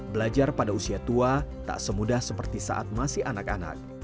belajar pada usia tua tak semudah seperti saat masih anak anak